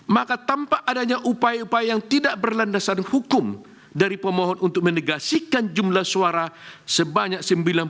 maka tampak adanya upaya upaya yang tidak berlandasan hukum dari pemohon untuk menegasikan jumlah suara sebanyak sembilan puluh enam dua ratus empat belas enam ratus sembilan puluh satu